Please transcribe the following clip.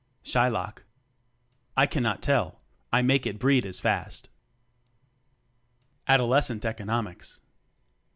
Shylock: I cannot tell; I make it breed as fast: Adolescent Economics.